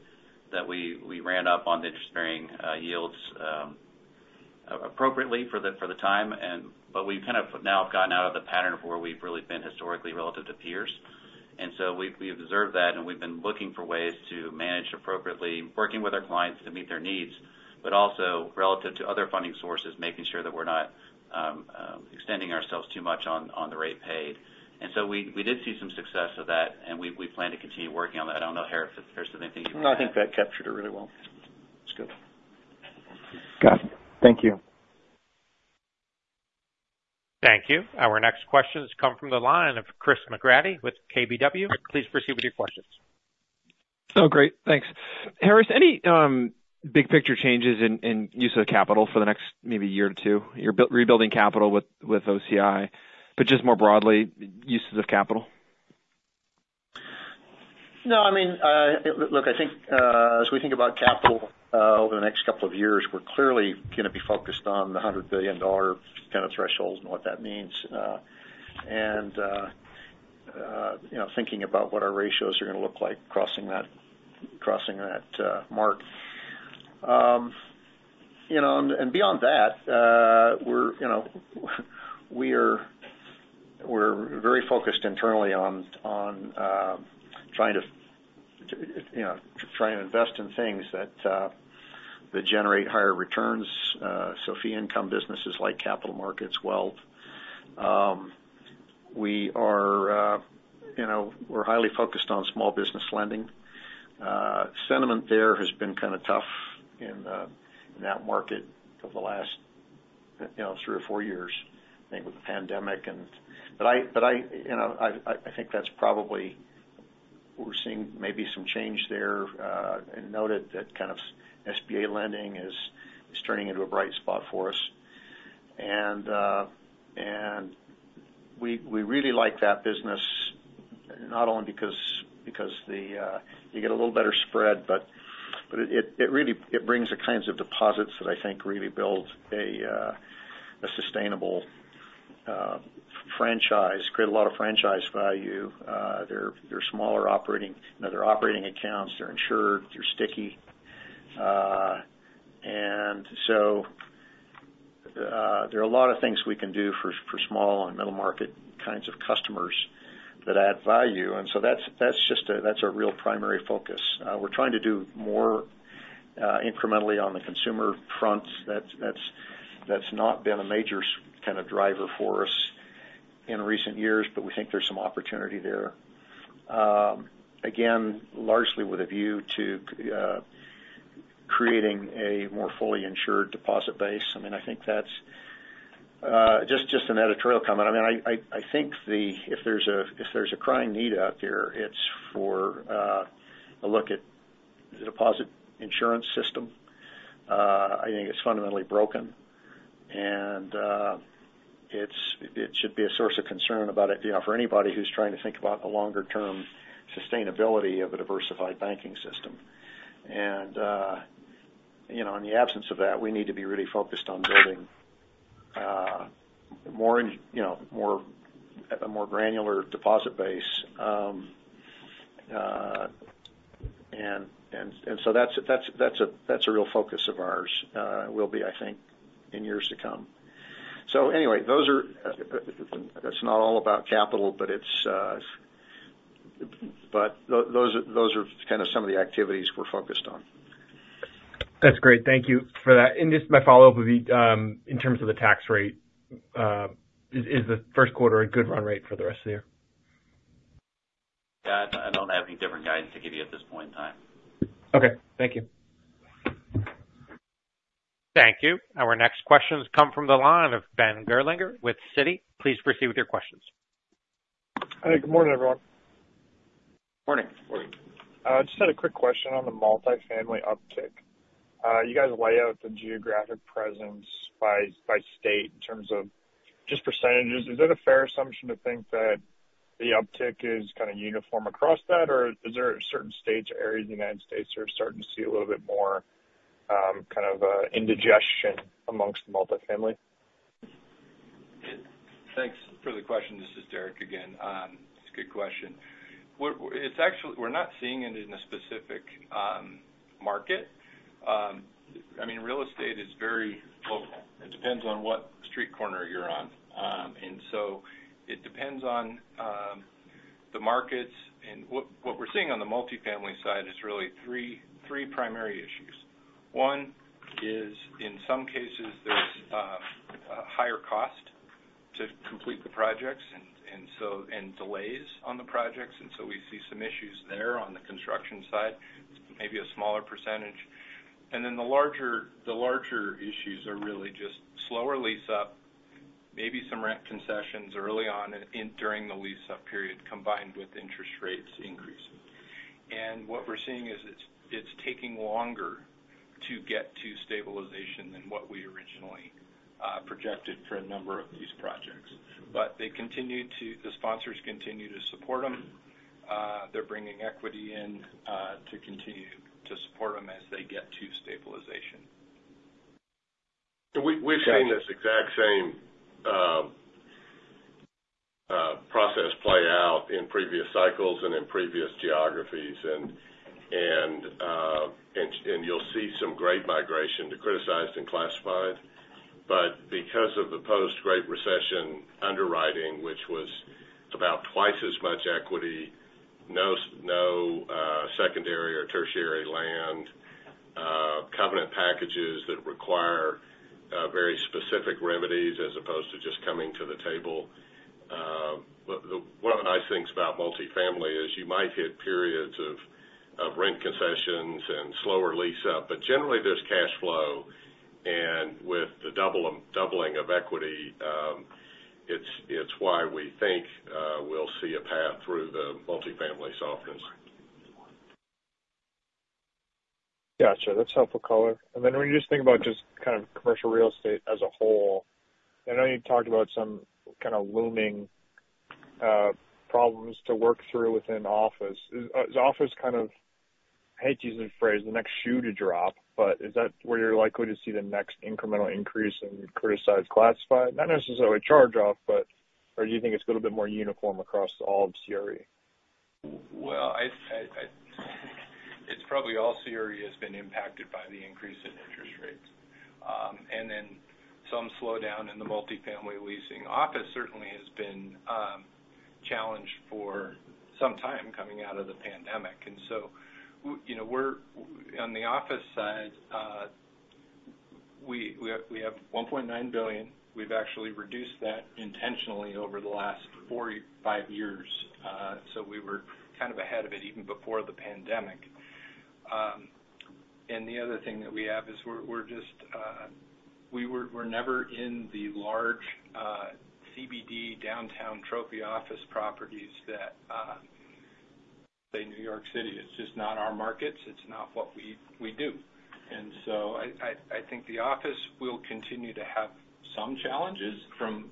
that we ran up on the interest-bearing yields appropriately for the time. But we've kind of now gotten out of the pattern of where we've really been historically relative to peers. And so we've observed that. And we've been looking for ways to manage appropriately, working with our clients to meet their needs, but also relative to other funding sources, making sure that we're not extending ourselves too much on the rate paid. And so we did see some success of that. And we plan to continue working on that. I don't know, Harris, if there's anything you can add. No, I think that captured it really well. It's good. Got it. Thank you. Thank you. Our next questions come from the line of Chris McGratty with KBW. Please proceed with your questions. Oh, great. Thanks. Harris, any big-picture changes in use of capital for the next maybe year or two, rebuilding capital with OCI, but just more broadly, uses of capital? No. I mean, look, I think as we think about capital over the next couple of years, we're clearly going to be focused on the $100 billion kind of thresholds and what that means and thinking about what our ratios are going to look like crossing that mark. And beyond that, we're very focused internally on trying to invest in things that generate higher returns, so fee-income businesses like capital markets, wealth. We're highly focused on small business lending. Sentiment there has been kind of tough in that market over the last three or four years, I think, with the pandemic. But I think that's probably we're seeing maybe some change there and noted that kind of SBA lending is turning into a bright spot for us. And we really like that business not only because you get a little better spread, but it brings the kinds of deposits that I think really build a sustainable franchise, create a lot of franchise value. They're smaller operating accounts. They're insured. They're sticky. And so there are a lot of things we can do for small and middle-market kinds of customers that add value. And so that's a real primary focus. We're trying to do more incrementally on the consumer front. That's not been a major kind of driver for us in recent years. But we think there's some opportunity there, again, largely with a view to creating a more fully insured deposit base. I mean, I think that's just an editorial comment. I mean, I think if there's a crying need out there, it's for a look at the deposit insurance system. I think it's fundamentally broken. It should be a source of concern about it for anybody who's trying to think about the longer-term sustainability of a diversified banking system. In the absence of that, we need to be really focused on building a more granular deposit base. That's a real focus of ours and will be, I think, in years to come. Anyway, that's not all about capital. Those are kind of some of the activities we're focused on. That's great. Thank you for that. Just my follow-up would be in terms of the tax rate, is the first quarter a good run rate for the rest of the year? Yeah. I don't have any different guidance to give you at this point in time. Okay. Thank you. Thank you. Our next questions come from the line of Ben Gerlinger with Citi. Please proceed with your questions. Hey. Good morning, everyone. Morning. Just had a quick question on the multifamily uptick. You guys lay out the geographic presence by state in terms of just percentages. Is it a fair assumption to think that the uptick is kind of uniform across that? Or is there certain states or areas of the United States that are starting to see a little bit more kind of indigestion amongst the multifamily? Thanks for the question. This is Derek again. It's a good question. We're not seeing it in a specific market. I mean, real estate is very local. It depends on what street corner you're on. And so it depends on the markets. And what we're seeing on the multifamily side is really three primary issues. One is in some cases, there's a higher cost to complete the projects and delays on the projects. And so we see some issues there on the construction side, maybe a smaller percentage. And then the larger issues are really just slower lease-up, maybe some rent concessions early on during the lease-up period combined with interest rates increasing. And what we're seeing is it's taking longer to get to stabilization than what we originally projected for a number of these projects. But the sponsors continue to support them. They're bringing equity in to continue to support them as they get to stabilization. We've seen this exact same process play out in previous cycles and in previous geographies. And you'll see some great migration to criticized and classified. But because of the post-Great Recession underwriting, which was about twice as much equity, no secondary or tertiary land, covenant packages that require very specific remedies as opposed to just coming to the table. One of the nice things about multifamily is you might hit periods of rent concessions and slower lease-up. But generally, there's cash flow. And with the doubling of equity, it's why we think we'll see a path through the multifamily softening. Gotcha. That's helpful color. And then when you just think about just kind of commercial real estate as a whole, and I know you talked about some kind of looming problems to work through within office. Is office kind of, I hate to use the phrase, the next shoe to drop? But is that where you're likely to see the next incremental increase in criticized classified? Not necessarily a charge-off, but or do you think it's a little bit more uniform across all of CRE? Well, it's probably all CRE has been impacted by the increase in interest rates and then some slowdown in the multifamily leasing. Office certainly has been a challenge for some time coming out of the pandemic. So on the office side, we have $1.9 billion. We've actually reduced that intentionally over the last 4 or 5 years. So we were kind of ahead of it even before the pandemic. And the other thing that we have is we're never in the large CBD downtown trophy office properties that say, "New York City." It's just not our markets. It's not what we do. And so I think the office will continue to have some challenges from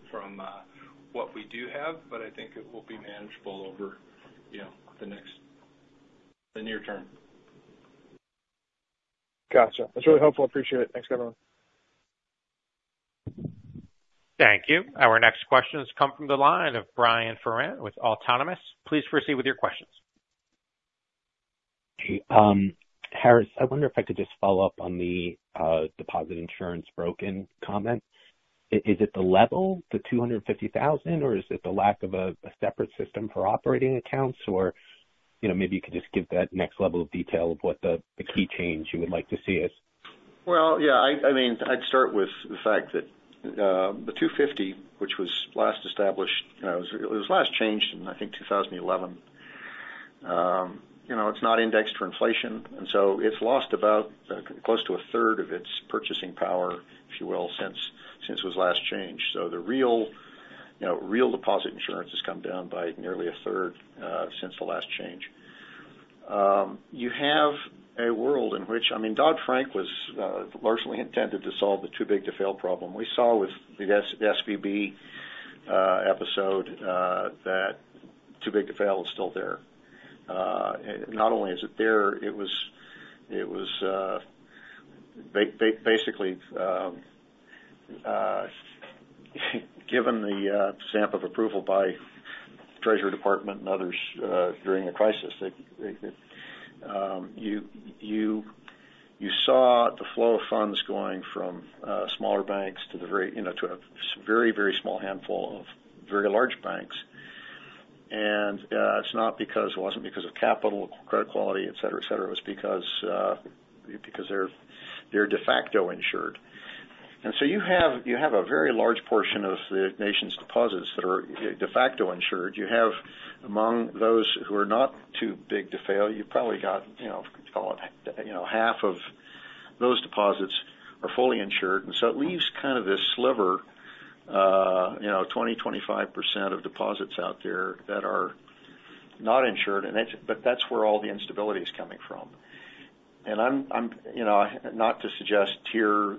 what we do have. But I think it will be manageable over the near term. Gotcha. That's really helpful. I appreciate it. Thanks, everyone. Thank you. Our next questions come from the line of Brian Foran with Autonomous. Please proceed with your questions. Harris, I wonder if I could just follow up on the deposit insurance bracket comment. Is it the level, the $250,000? Or is it the lack of a separate system for operating accounts? Or maybe you could just give that next level of detail of what the key change you would like to see is. Well, yeah. I mean, I'd start with the fact that the $250,000, which was last established—it was last changed in, I think, 2011. It's not indexed for inflation. And so it's lost about close to a third of its purchasing power, if you will, since it was last changed. So the real deposit insurance has come down by nearly a third since the last change. You have a world in which—I mean, Dodd-Frank was largely intended to solve the too big to fail problem. We saw with the SVB episode that too big to fail is still there. Not only is it there, it was basically given the stamp of approval by the Treasury Department and others during a crisis. You saw the flow of funds going from smaller banks to a very, very small handful of very large banks. It wasn't because of capital, credit quality, etc., etc. It was because they're de facto insured. And so you have a very large portion of the nation's deposits that are de facto insured. You have among those who are not too big to fail, you've probably got call it half of those deposits are fully insured. And so it leaves kind of this sliver 20%-25% of deposits out there that are not insured. But that's where all the instability is coming from. And I'm not to suggest here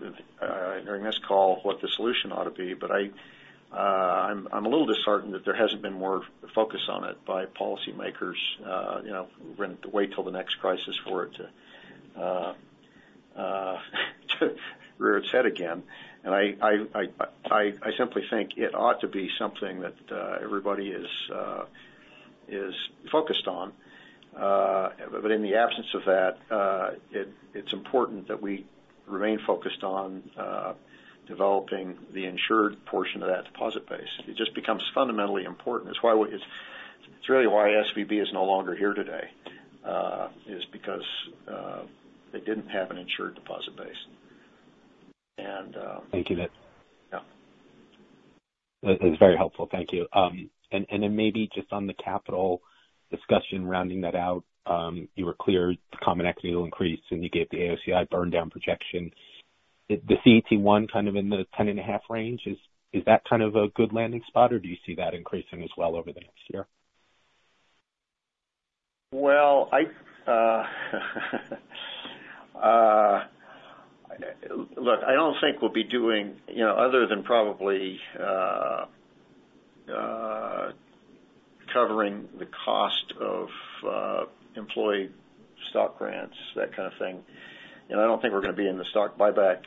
during this call what the solution ought to be. But I'm a little disheartened that there hasn't been more focus on it by policymakers. We're going to wait till the next crisis for it to rear its head again. And I simply think it ought to be something that everybody is focused on. But in the absence of that, it's important that we remain focused on developing the insured portion of that deposit base. It just becomes fundamentally important. It's really why SVB is no longer here today, is because they didn't have an insured deposit base. And. Thank you. Yeah. That's very helpful. Thank you. And then maybe just on the capital discussion, rounding that out, you were clear the common equity will increase. And you gave the AOCI burndown projection. The CET1 kind of in the 10.5 range, is that kind of a good landing spot? Or do you see that increasing as well over the next year? Well, look, I don't think we'll be doing other than probably covering the cost of employee stock grants, that kind of thing. I don't think we're going to be in the stock buyback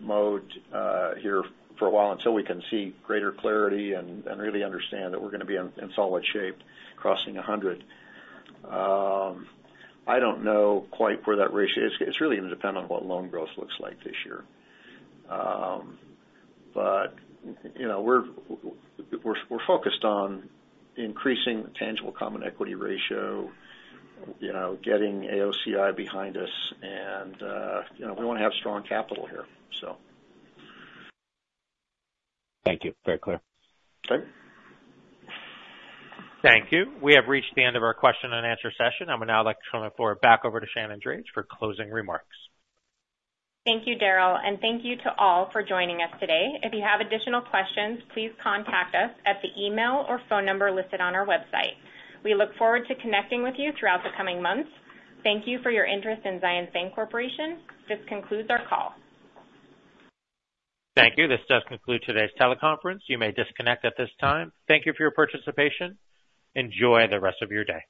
mode here for a while until we can see greater clarity and really understand that we're going to be in solid shape crossing 100. I don't know quite where that ratio is. It's really going to depend on what loan growth looks like this year. But we're focused on increasing the tangible common equity ratio, getting AOCI behind us. We want to have strong capital here, so. Thank you. Very clear. Okay. Thank you. We have reached the end of our question and answer session. I'm going to now like to turn the floor back over to Shannon Drage for closing remarks. Thank you, Daryl. Thank you to all for joining us today. If you have additional questions, please contact us at the email or phone number listed on our website. We look forward to connecting with you throughout the coming months. Thank you for your interest in Zions Bancorporation. This concludes our call. Thank you. This does conclude today's teleconference. You may disconnect at this time. Thank you for your participation. Enjoy the rest of your day.